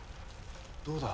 どうだ？